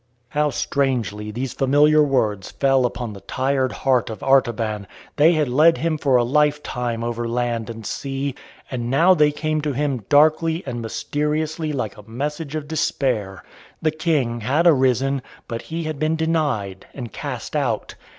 '" How strangely these familiar words fell upon the tired heart of Artaban! They had led him for a lifetime over land and sea. And now they came to him darkly and mysteriously like a message of despair. The King had arisen, but he had been denied and cast out.